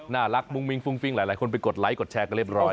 มุ่งมิ้งฟุ้งฟิ้งหลายคนไปกดไลค์กดแชร์กันเรียบร้อย